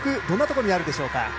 どんなところにあるでしょうか？